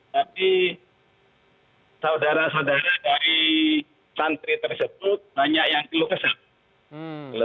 tapi saudara saudara dari santri tersebut banyak yang teluk kesal